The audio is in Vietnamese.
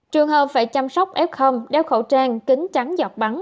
trường hợp phải chăm sóc f đeo khẩu trang kính trắng giọt bắn